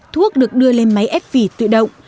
thuốc được đưa lên máy ép vỉ tự động